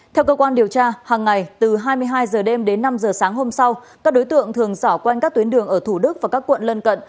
theo cơ quan điều tra hàng ngày từ hai mươi hai h đêm đến năm h sáng hôm sau các đối tượng thường xảo quanh các tuyến đường ở thủ đức và các quận lân cận